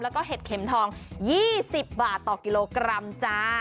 แล้วก็เห็ดเข็มทอง๒๐บาทต่อกิโลกรัมจ้า